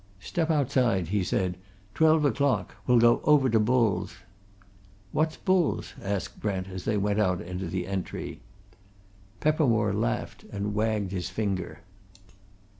"Step outside," he said. "Twelve o'clock we'll go over to Bull's." "What's Bull's?" asked Brent, as they went out into the entry. Peppermore laughed and wagged his finger.